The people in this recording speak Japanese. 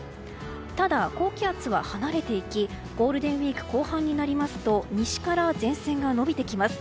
ただ、高気圧は離れていきゴールデンウィーク後半になりますと西から前線が延びてきます。